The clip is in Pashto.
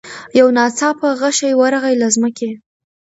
یو ناڅاپه غشی ورغی له مځکي